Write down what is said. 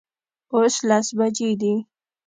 اوس لس بجې دي